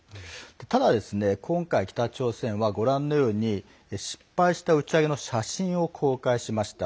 ただ今回、北朝鮮は失敗した打ち上げの写真を公開しました。